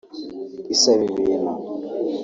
isaba ibintu